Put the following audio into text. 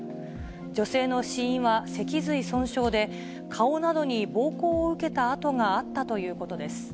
女性の死因は脊髄損傷で、顔などに暴行を受けた痕があったということです。